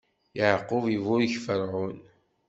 Yeɛqub iburek Ferɛun.